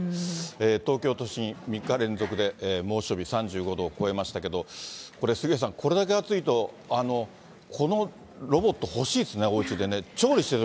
東京都心、３日連続で猛暑日、３５度を超えましたけど、これ、杉上さん、これだけ暑いとこのロボット、欲しいですね、おうちでね。